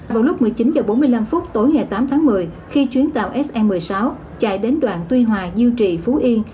vào lúc một mươi chín h bốn mươi năm tối ngày tám tháng một mươi khi chuyến tàu se một mươi sáu chạy đến đoạn tuy hòa dưu trị phú yên